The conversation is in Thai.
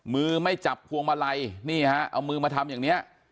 มือไม่จับพวงมาลัยนี่ฮะเอามือมาทำอย่างนี้